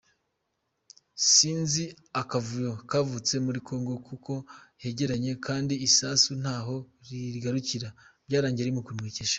Sinzi akavuyo kavutse muri Congo kuko hegeranye kandi isasu ntaho rigarukira byarangiye rimukomerekeje.